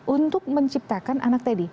untuk menciptakan anak tadi